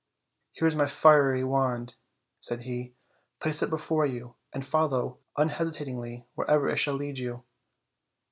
"Here is my fiery wand," said he; "place it before you, and follow un hesitatingly wherever it shall lead you.